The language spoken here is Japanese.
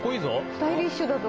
スタイリッシュだぞ。